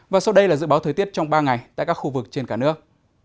và sau đây là dự báo thời tiết trong ba ngày tại các khu vực trên cả nước